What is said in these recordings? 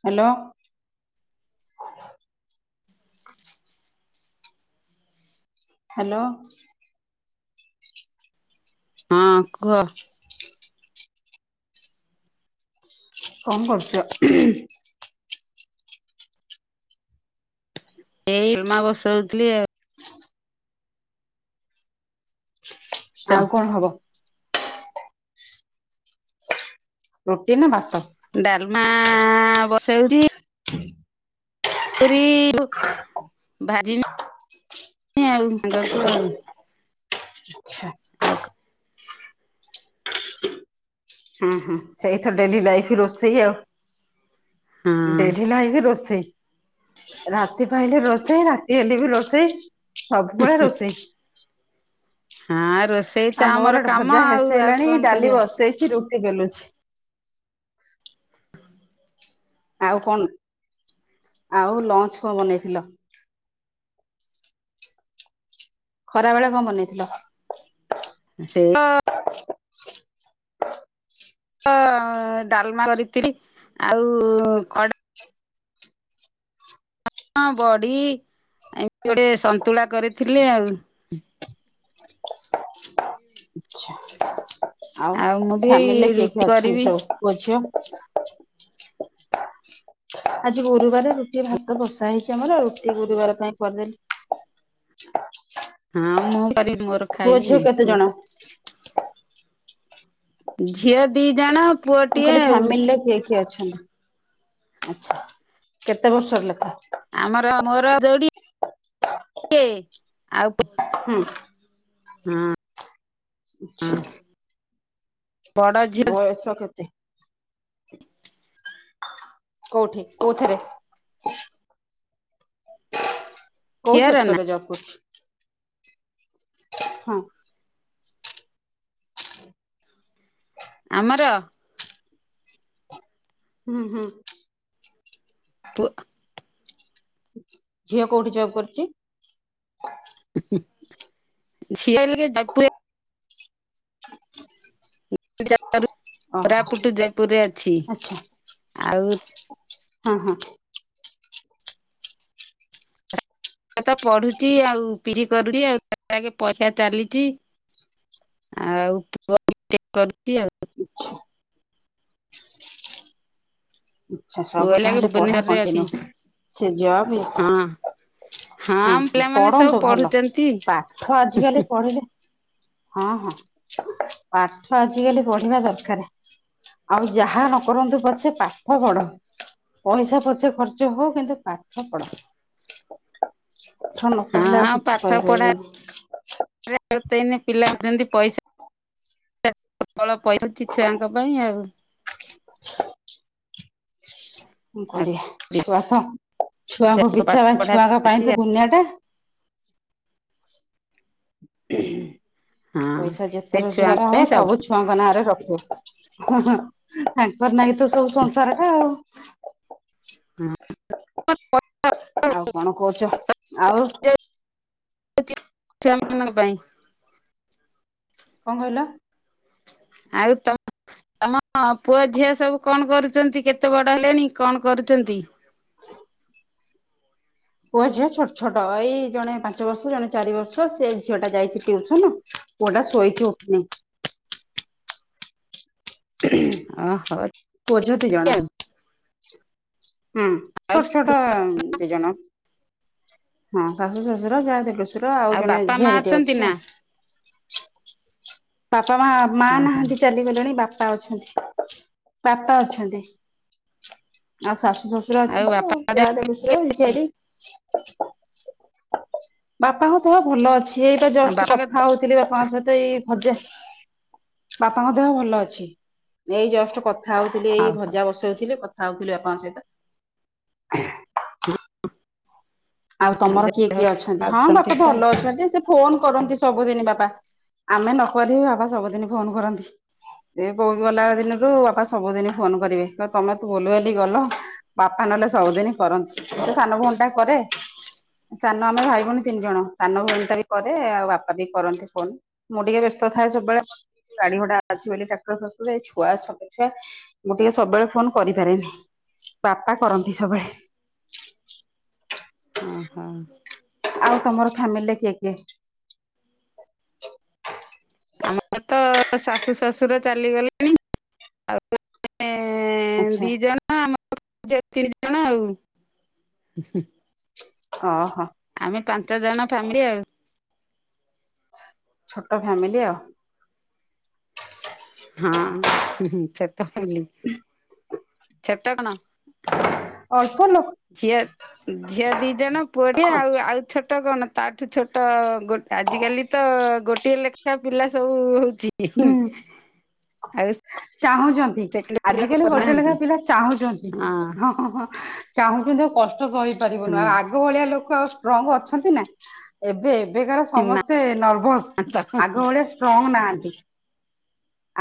Hello hello hello ହଁ କୁହ କଣ କରୁଚ ଏଇମା ବସଉଥିଲି ଆଉ ଚ ଆଉ କଣ ହବ ରୁଟି ନା ଭାତ ଡାଲମା ବସଉଛି ପୁରୀ ଭାଜି ଆଉ ସାଙ୍ଗକୁ ଆଉ ଆଛା ଆଉ ହୁଁ ହୁଁ ଇଥ ଡେଲି ଲାଇଫ ରୋଷେଇ ଆଉ ହଁ ଡେଲି ଲାଇବି ରୋଷେଇ ରାତି ପାଇଲେ ରୋଷେଇ ରାତି ହେଲେ ବି ରୋଷେଇ ସବୁବେଳେ ରୋଷେଇ ହଁ ରୋଷେଇ ତ ଆ ଆମର ମୋର ଏଡେ କାମ ଭଜା ଆଉ ହେସ ଆଉ ହେଲାଣି କଣ ଡାଲି କରିବା ବସେଇଛି ରୁଟି ବେଲୁଛି ଆଉ କଣ ଆଉ ଲଞ୍ଚ କଣ ବନେଇଥିଲ ଖରା ବେଳେ କଣ ବନେଇଥିଲ ସେ ଡାଲମା କରିଥିଲରି ଆଉ କ ହଁ ବଡି ଏମିତି ଗୋଟେ ସନ୍ତୁଳା କରିଥିଲି ଆଉ ଆଛା ଆଉ ମୁଁ ବି ଫ୍ୟାମିଲିରେ କିଏ ରୁଟି କିଏ ଅଛନ୍ତି କରିବି ସବୁ କଝିବ ଆଜି ଗୁରୁବାର ରୁଟି ଭାତ ବଷା ହେଇଛି ଆମର ରୁଟି ଗୁରୁବାର ପାଇଁ କରିଦେଲି ହଁ ମୁଁ କରିବି ମୋର ପୁଅ ଝିଅ ଖାଇବି କେତେ ଜଣ? ଝିଅ ଦି ଜଣ ମୁଁ ପୁଅଟିଏ କହିଲଲି ଆଉ ଫ୍ୟାମିଲିରେ କିଏ କିଏ ଅଛନ୍ତି ଆଛା କେତେ ବର୍ଷର ଲେଖା ଆମର ମୋର ଦଡି ଆଉ ହୁଁ ହୁଁ ଆଚ୍ଛା ବଡ ଝିଅ ବୟସ କେତେ କୋଉଠି କୋଉଥିରେ କୋଉ ଝିଅର ନା ସେକ୍ଟରରେ ଯିବା କରଛି ହଁ ଆମର ହୁଁ ହୁଁ ପୁ ଝିଅ କୋଉଠି ଜବ୍ କରିୁଛି ଶିଆ ଓହୋ କୋରାପୁଟ ଜୟପୁରରେ ଅଛି ଆଚ୍ଛା ଆଉ ହଁ ହଁ ତ ପଢୁଛି ଆଉ ପିଠି କରୁଛି ଆଉ ଆଗେ ପଇସା ଚାଲିଛି ଆଉ ଆଉ ପଅ ବି କରୁଛି ଆଉ ଆଛା ପୁଅ ସବୁ ଲାଗେ ତାହେଲେ ପଢା ଭୁବନେଶ୍ୱରରେ ଅଛି କଣ୍ଟିନ୍ୟୁ ସେ ଜବ ହଁ। ହଁ ହୁଁ ପିଲାମାନେ ସବୁ ପଢନ୍ତୁ ଭଲ ପଢୁଛନ୍ତି ପାଠ ଆଜିକାଲି ପଢିଲେ ହଁ ହଁ ପାଠ ଆଜିକାଲି ପଢିବା ଦରକାର ଆଉ ଯାହା ନକନ୍ତୁ ପଛେ ପା ପାଠ ପଢ ପଇସା ପଛେ ଖର୍ଚ୍ଚ ହଉ କିନ୍ତୁ ପାଠ ପଢ ନ କହିଲେ ଆଉ କିଛି କହିପାରିବେନି ନ ପିଲା ଅଛନ୍ତି ପଇସା ପଇସା ଛୁଆ ତାଙ୍କ ପାଇଁ ଆଉ [inaudible] କଣ କରିବା ଛୁଆ ତ ଛୁଆଙ୍କ ପାଠ ପିଛା ପାଇଁ ପଢା ଛୁଆଙ୍କ ଚାଲିଛି ପାଇଁ ତ ଆଉ ଦୁନିଆ ଟା ହଁ ପଇସା ଯେତେ ସେଇ ଛୁଆଙ୍କ ରୋଜଗାର ହବ ପାଇଁ ସବୁ ଛୁଆଙ୍କ ନାଁରେ ରଖୁ ତାଙ୍କର ନାଇଁ ତ ସବୁ ସଂସାର ଟା ଆଉ ଆଉ କଣ କହୁଛ ଆଉ ଛଆମାନାନଙ୍କ ପାଇଁ କଣ କହିଲ ଆଉ ତ ଆମ ପୁଅଝିଅ ସବୁ କଣ କରୁଛନ୍ତି କେତେ ବଡ ହେଲେଣି କଣ କରୁଛନ୍ତି ପୁଅ ଝିଅ ଛୋଟ ଛୋଟ ଏଇ ଜଣେ ପାଞ୍ଚ ବର୍ଷ ଜଣେ ଚାରି ବର୍ଷ ସେ ଝିଅ ଟା ଯାଇଛି ଟିଉସନ ପୁଅ ଟା ଶୋଇକି ଉଠୁନି ଓହୋ ପଝଛନ୍ତି ଜଣା ଆଉ ହୁଁ ଆଉ ଛୋଟ ଛୋଟ ଦି ଜଣ ହଁ ଶାଶୁ ଶଶୁର ଯାହା ଦେଲୁ ଆଉ ଜଣେ ବାପା ମା ଝିଆରୀଟି ଅଛନ୍ତି ଅଛି ନା? ଆଉ ବାପା ମା ମା ଓହୋ ନାହାନ୍ତି ଚାଲିଗଲେଣି ବାପା ଅଛନ୍ତି ବାପା ଅଛନ୍ତି ଆଉ ଶାଶୁ ଶ୍ୱଶୁର ଅଛନ୍ତି ଆଉ ଯା ଦେବ ବାପା ହ ଦେହ ଭଲ ଅଛି ସେଠି ଏଇଟା ଆଉ ଜଷ୍ଟ ବାପାଙ୍କ କଥା ହଉଥିଲି ବାପାଙ୍କ ସହିତ ଏଇ ହଜ ବାପାଙ୍କ ଦେହ ଭଲ ଅଛି ଏଇ ଜଷ୍ଟ କଥା ହଉଥିଲି ଏଇ ହଉ ହଉ ଭଜା ବସଉଥିଲେ କଥା ହଉଥିଲେ ବାପାଙ୍କ ସହିତ ଆଉ ହଁ ତମର କିଏ ଯାହା କିଏ ଅଛନ୍ତି ହଉ ହଁ ବାପା ତ ଭଲ ଅଛନ୍ତି ସେ ଫୋନ କରନ୍ତି ସବୁଦିନ ବାପା ଆମେ ନକ ବାପା ସବୁଦିନ ଫୋନ କରନ୍ତି ଏ ବୋହୁ ଗଲା ଦିନରୁ ବାପା ସବୁଦିନ ଫୋନ କରିବେ କ ତମେ ତୁ ବୁଲୁ ବଲି ଗଲ ବାପା ନହେଲେ ସବୁଦିନ କରନ୍ତି ସେ ସାନ ଭଉଣୀ ଟା କରେ ସାନ ଆମ ଭାଇ ଭଉଣୀ ତିନି ଜଣ ସାନ ଭଉଣୀ ଟା ବି କରେ ଆଉ ବାପା ବି କରନ୍ତି ଫୋନ୍ ମୁଁ ଟିକେ ବ୍ୟସ୍ତ ଥାଏ ସବୁବେଳେ ଗାଡି ଘଡା ଅଛି ବୋଲି ଟ୍ରାକ୍ଟର ଫ ଛୁଆ ଛ ଛୁଆ ମୁଁ ଟିକେ ସବୁବେଳେ ଫୋନ କରିପାରେନି ବାପା କରନ୍ତି ସବୁବେଳେ ଓ ହୋ ଆଉ ତମର ଫ୍ୟାମିଲି କିଏ କିଏ ଆମର ତ ଶାଶୁ ଶ୍ୱଶୁର ଚାଲିଗଲେଣି ଆଚ୍ଛା ଦିଜଣ ହଁ ଆମ ତିରିଶ ଜଣ ଆଉ ଓହୋ ଆମେ ପାଞ୍ଚ ଜଣ ଫ୍ୟାମିଲି ଆଉ ଛୋଟ ଫ୍ୟାମିଲି ଆଉ ହଁ ଛଟନି ଛଟ କଣ ଅଳ୍ପ ଲୋକ ଝିଅ ଝିଅ ଦି ଜଣ ପୁଅଟେ ଛୋଟ ଆଉ ଆଉ ଛୋଟ କଣ ତାଠୁ ଛୋଟ ଆଜିକାଲି ତ ଗୋଟିଏ ଲେଖାଏ ପିଲା ସବୁ ହଉଛି ହୁଁ। ଆ ଚାହୁଁଛନ୍ତି ଆଜିକାଲି ଗୋଟେ ଲେଖା କରୁନାହାନ୍ତି ପିଲା ଚାହୁଁଛନ୍ତି ହଁ ଚାହୁଁଛନ୍ତି ଆଉ କଷ୍ଟ ହଁ ସହିପାରିବନି ଆଗ ଆଗ ଭଳିଆ ଲୋକ ଆଉ ଷ୍ଟ୍ରଙ୍ଗ ଅଛନ୍ତି ନା ଏବେ ଏବେକାର ନା ସମସ୍ତେ ନର୍ଭସ୍ ତ ହଁ ଆଗ ଭଳିଆ ଷ୍ଟ୍ରଙ୍ଗ ନାହାନ୍ତି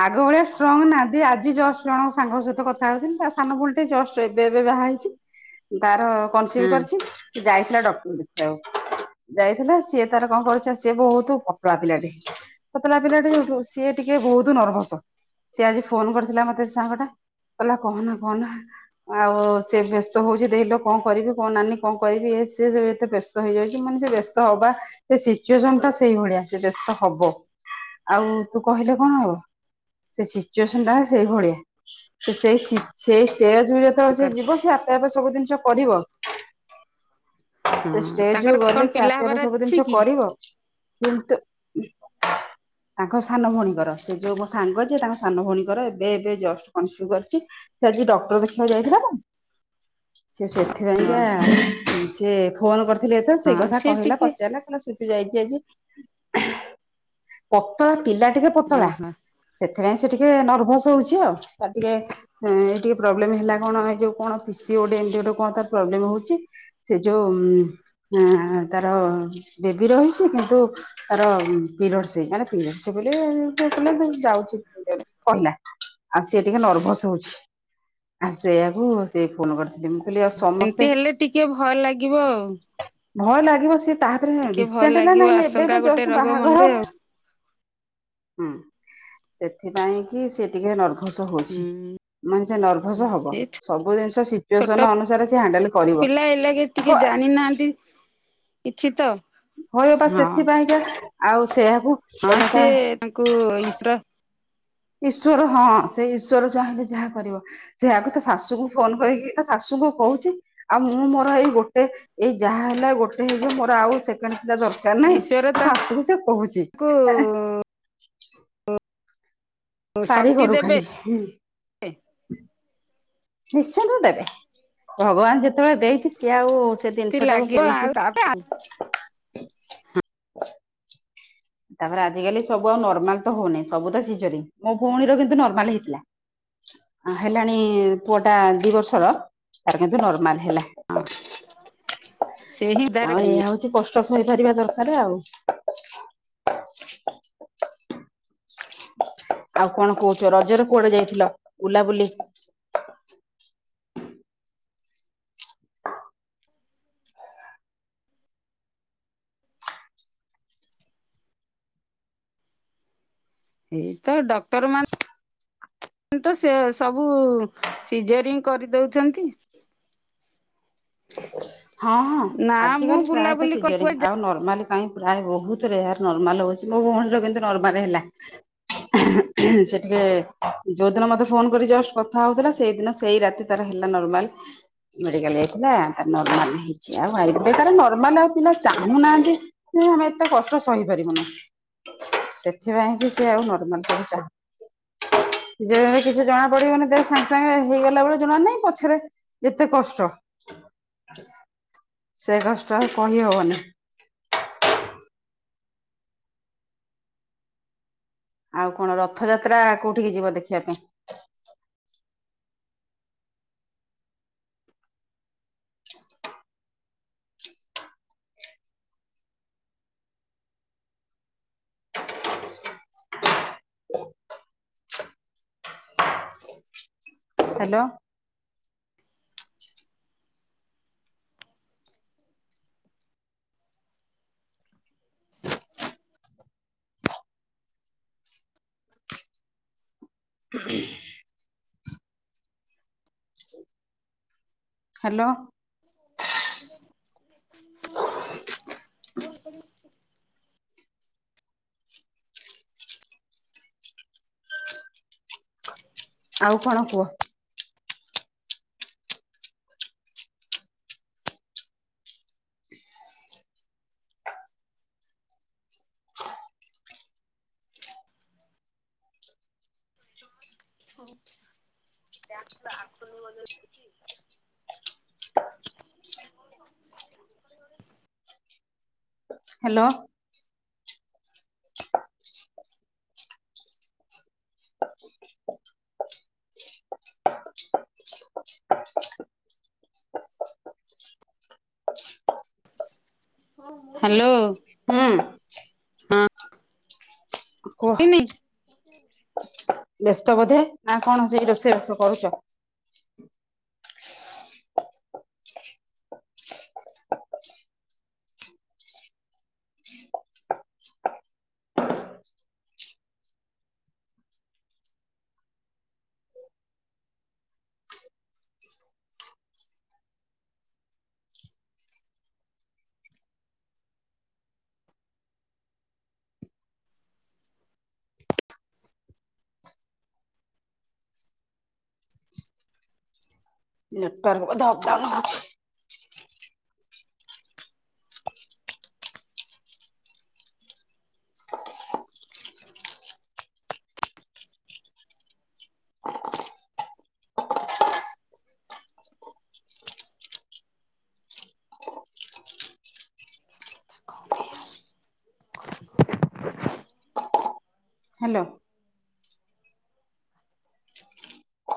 ଆଗ ଭଳିଆ ଷ୍ଟ୍ରଙ୍ଗ ନାହାନ୍ତି ଆଜି ଜଷ୍ଟ ଜଣଙ୍କ ସାଙ୍ଗଙ୍କ ସହିତ କଥା ହଉଛନ୍ତି ତା ସାନ ଫୁଲେ ଜଷ୍ଟ ଏବେ ଏବେ ବାହା ହେଇଛି ତାର କନସିଭ କରିଛି କି ଯାଇଥିଲା ଡକ୍ଟର ଦେଖିବାକୁ ଯାଇଥିଲା ସିଏ ତାର କଣ କରୁଛ ସିଏ ବହୁତ କପଳା ପିଲାଟେ ପତଲା ପିଲା ଟେଉ ସିଏ ଟିକେ ବହୁ ନର୍ଭସ ସି ଆଜି ଫୋନ କରିଥିଲା ମତେ ସାଙ୍ଗଟା କହିଲଲା କହନା କହନା ଆଉ ସେ ବ୍ୟସ୍ତ ହଉଛି ଦେିଲ କଣ କରିବି କଣ ନାନୀ କଣ କରିବି ସ ଏତେ ବ୍ୟସ୍ତ ହେଇଯାଉଛି ମାନେ ସେ ବ୍ୟସ୍ତ ହବା ସେ ସିଚୁଏସନ ଟା ସେଇଭଳିଆ ସେ ବ୍ୟସ୍ତ ହବ ଆଉ ତୁ କହିଲେ କଣ ହବ ସେ ସିଚୁଏସନ ଟା ସେଇ ଭଳିଆ ସେ ସେଇ ସେଇ ଷ୍ଟେଜ ଯେତେବେଳେ ସେ ତାଙ୍କର ଯିବ ସେ ଆପେ ଆପେ ସବୁ ଜିନିଷ କରିବ ହଁ ସେ ତାଙ୍କର ଷ୍ଟେଜୁ କଣ ଗଲେ ସେ ପିଲା ଆପେ ହବାର ଆପେ ସବୁ ଅଛି ଜିନିଷ କି କରିବ କିନ୍ତୁ ତାଙ୍କ ସାନ ଭଉଣୀଙ୍କର ସେ ଯେଉଁ ମୋ ସାଙ୍ଗ ଯେିଏ ତାଙ୍କ ସାନ ଭଉଣୀଙ୍କର ଏବେ ଏବେ ଜଷ୍ଟ କନଫ୍ୟୁ କରିଛି ସେ ଆଜି ଡକ୍ଟର ଦେଖିବାକୁ ଯାଇଥିଲା ନା ସେ ସେ ହଁ ସେଥିପାଇଁକା ସେ ଫୋନ କରିଥିଲେ ଏଥ ହଁ ସେଇ କଥା ସେ କହିଲା ଟିକେ ପଚାରିଲା ଯାଇଛି ଆଜି ପତଳା ପିଲା ଟିକେ ପତଳା ଓହୋ ସେଥିପାଇଁ ସେ ଟିକେ ନର୍ଭସ ହଉଛି ଆଉ ଟିକେ ଟିକେ ପ୍ରୋବ୍ଲେମ ହେଲା କଣ ଏଇ ଯୋଉ କଣି କଣ ତାର ପ୍ରୋବ୍ଲେମ ହଉଛି ସେ ଯୋଉ ତାର ବେବି ରହିଛି କିନ୍ତୁ ତାର ପିରିୟଡ ସେ ପିରିଡ ସେ ଯାଉ ଯାଉ କହିଲା ଆଉ ସିଏ ଟିକେ ନର୍ଭସ ହଉଛି ଆଉ ସେଇଆାକୁ ସେ ଫୋନ କରିଥିଲି ମୁଁ କହିଲି ଆଉ ସମସ୍ତେ ସେମିତି ହେଲେ ଟିକେ ଭଲ ଲାଗିବ ଆଉ ଭଲ ଲାଗିବ ସିଏ ତାପରେ ଟିକେ ଭୟ ରିସେଣ୍ଟ ନା ଲାଗିବ ନାହିଁ ଆଶଙ୍କା ଏବେ ଗୋଟେ ଜଷ୍ଟ ରହିବ ବାହାଘର ମନରେ ଆଉ ହୁଁ ସେଥିପାଇଁ କି ସେି ଟିକେ ନର୍ଭସ୍ ହୁଁ ହଉଛି ମାନେ ସେ ନର୍ଭସ ହବ ସେ ସବୁ ଜିନିଷ ଛୋଟ ସିଚୁଏସନ ଅନୁସାରେ ସେ ହଣ୍ଡେଲ କରିବ ପିଲା ଏଲାଗେ ଟିକେ ଜାଣିନାହାନ୍ତି ଚ୍ଛି ତ ହଏ ବା ହଁ ସେଥିପାଇଁକା ଆଉ ସେକୁ ହଁ ସିଏ ତାଙ୍କୁ ଈଶ୍ରା ଈଶ୍ୱଵର ହଁ ସେ ଈଶ୍ୱଵର ଚାହିଁଲେ ଯାହା କରିବ ସେ ଆଗ ତା ଶାଶୁକୁ ଫୋନ କରିକି ତା ଶାଶୁଙ୍କୁ କହୁଛି ଆଉ ମୁଁ ମୋର ଏଇ ଗୋଟେ ଏଇ ଯାହା ହେଲା ଗୋଟେ ହେଇଯ ମୋର ଆଉ ସେକେଣ୍ଡ ପିଲା ଦରକାର ନାଇଁ ଈଶ୍ୱର ଆସିବୁ ସେ କହୁଛି ତାଙ୍କୁ ତାରି ଶକ୍ତି କରୁ ଦେବେ ଖାଲି ହୁଁ ନିଶ୍ଚିନ୍ତ ଦେବେ ଭଗବାନ ଯେତେବେଳେ ଦେଇଛି ସିଏ ଆଉ ସେ ତି ଜିନିଷ ଟାକୁ ଲାଗିବ କେମିତି ଆଉ ତାପରେ ଆଉ ତାପରେ ଆଜିକାଲି ସବୁ ଆଉ ନର୍ମାଲ ତ ହଉନିଁ ସବୁ ତ ସିଝରି ମୋ ଭଉଣୀର କିନ୍ତୁ ନର୍ମାଲ ହେଇଥିଲା ହେଲାଣି ପୁଅ ଟା ଦି ବର୍ଷର ତାର କିନ୍ତୁ ନର୍ମାଲ ହେଲା ହଁ ଆଉ ଏଇ ହଉଛି କଷ୍ଟ ସହିପାରିବା ଦରକାର ଆଉ ଆଉ କଣ କହୁଛୁ ରଜର କୁଆଡେ ଯାଇଥିଲ ବଲାବୁଲି [inaudible] ଏଇତ ଡକ୍ଟର ମାନ ତ ସେ ସବୁ ସିଜରିଂ କରିଦଉଛନ୍ତି ହଁ ହଁ ନା ମୁଁ ଆଜିକାଲି ପ୍ରାୟତଃ ବୁଲାବୁଲି କରି କୁଆ ସିଜନିଂ ଯା ଆଉ ନର୍ମାଲି କାଇଁ ପ୍ରାୟ ବହୁତ ରେୟ ନର୍ମାଲ ହଉଛି ମୋ ଭଉଣୀର କିୁ ନର୍ମାଲ ହେଲା ସେ ଟିକେ ଯୋଉଦିନ ମତେ ଫୋନ କରି ଜଷ୍ଟ କଥା ହଉଥିଲା ସେଇଦିନ ସେଇ ରାତି ତାର ହେଲା ନମାଲ ମେଡିକାଲ ଯାଇଥିଲା ନର୍ମାଲ ହେଇଛି ଆଉଇ ତ ନର୍ମାଲ ଆଉ ପିଲା ଚାହୁଁନାହାନ୍ତି ଆମେ ଏତେ କଷ୍ଟ ସହିପାରିବୁ ନା ସେଥିପାଇଁ କି ସେି ଆଉ ନର୍ମାଲ ସବୁ ଚାଁ ନିଜବେ କିଛି ଜଣା ପଡିବନି ଦେବେ ସାଙ୍ଗେ ସାଙ୍ଗେ ହେଇଗଲା ବଳିଳେ ଜଣା ନାହିଁ ପଛରେ ଏତେ କଷ୍ଟ ସେ ଗଛଟା କହିହବନି ଆଉ କଣ ରଥଯାତ୍ରା କୋଉଠିକି ଯିବ ଦେଖିବା ପାଇଁ? ହ୍ୟାଲୋ। ହଁ। ହ୍ୟାଲୋ। [unintelligible] ଆଉ କଣ କୁହ? [unintelligible] ହ୍ୟାଲୋ। ହ୍ୟାଲୋ। ହୁଁ। କୁହ। ତିନି। ବ୍ୟସ୍ତ ବୋଧେ ନା କଣ ସେଇ ରୋଷେଇ ବାଷ କରୁଛ। ନଟରଧାଉଛି। କ ଆଉ। ହ୍ୟାଲୋ।